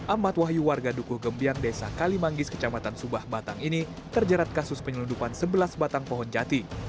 ahmad wahyu warga dukuh gembiang desa kalimanggis kecamatan subah batang ini terjerat kasus penyeludupan sebelas batang pohon jati